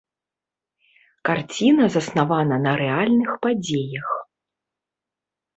Карціна заснавана на рэальных падзеях.